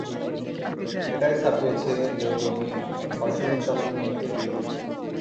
এটায় ছাপিয়েছে যে তুমি, হর্ষ মিত্তালের মেয়েকে বিয়ে করছো।